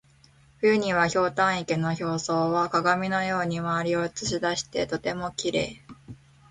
冬には、ひょうたん池の表層は鏡のように周りを写し出しとてもきれい。